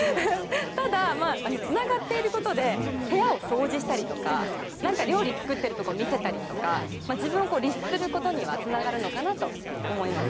ただつながっていることで部屋を掃除したりとか料理作ってるところを見せたりとか自分を律することにはつながるのかなと思います。